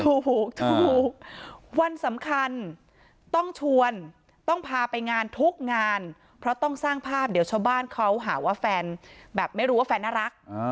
ถูกถูกวันสำคัญต้องชวนต้องพาไปงานทุกงานเพราะต้องสร้างภาพเดี๋ยวชาวบ้านเขาหาว่าแฟนแบบไม่รู้ว่าแฟนน่ารัก